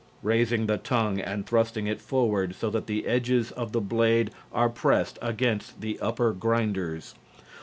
(Raising the tongue and thrusting it forward so that the edges of the blade are pressed against the upper grinders.)